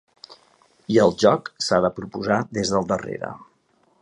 I el joc s’ha de proposar des del darrere.